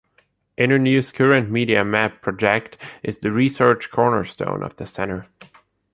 Internews' current Media Map project is the research cornerstone of the Center.